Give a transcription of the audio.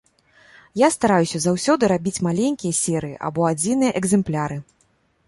Я стараюся заўсёды рабіць маленькія серыі або адзіныя экзэмпляры.